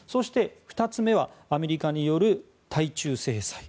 ２つ目がアメリカによる対中制裁。